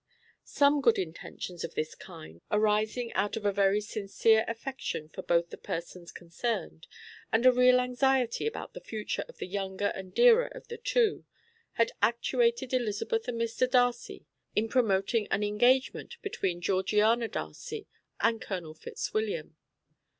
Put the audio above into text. Some good intentions of this kind, arising out of a very sincere affection for both the persons concerned, and a real anxiety about the future of the younger and dearer of the two, had actuated Elizabeth and Mr. Darcy in promoting an engagement between Georgiana Darcy and Colonel Fitzwilliam.